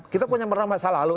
kita punya meramah selalu